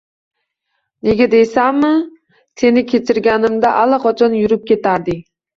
Nega deysanmi? Seni kechirganimda allaqachon yurib ketarding.